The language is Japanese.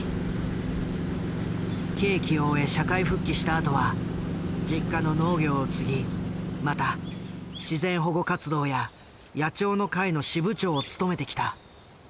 刑期を終え社会復帰したあとは実家の農業を継ぎまた自然保護活動や野鳥の会の支部長を務めてきた。